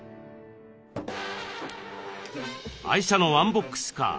愛車のワンボックスカー